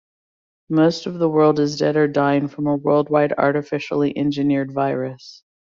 Most of the world is dead or dying from a worldwide, artificially engineered virus.